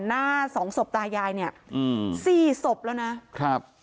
หน้าสองศพตายายเนี่ยอืมสี่ศพแล้วนะครับ